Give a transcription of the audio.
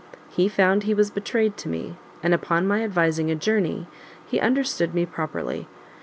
He found he was betrayed to me, and upon my advising a journey, he understood me properly.